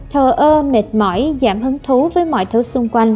thờ ơ mệt mỏi giảm hứng thú với mọi thứ xung quanh